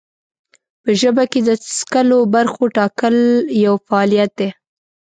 په ژبه کې د څکلو برخو ټاکل یو فعالیت دی.